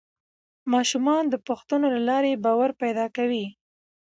ماشومان د پوښتنو له لارې باور پیدا کوي